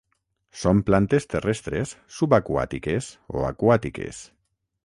Són plantes terrestres, subaquàtiques o aquàtiques.